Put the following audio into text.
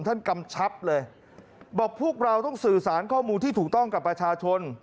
กำชับเลยบอกพวกเราต้องสื่อสารข้อมูลที่ถูกต้องกับประชาชน